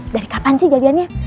dari kapan sih jadiannya